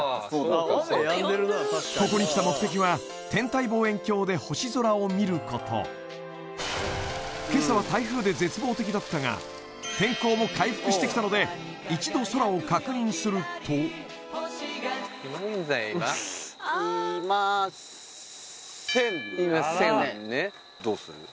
ここに来た目的はだったが天候も回復してきたので一度空を確認すると現在はどうする？